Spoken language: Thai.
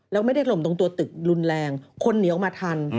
แล้วไม่ได้หล่มตรงตัวตึกรุนแรงคนหนีออกมาทัน